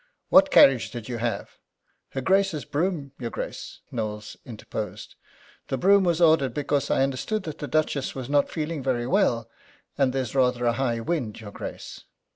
"What carriage did you have?" "Her Grace's brougham, your Grace." Knowles interposed: "The brougham was ordered because I understood that the Duchess was not feeling very well, and there's rather a high wind, your Grace."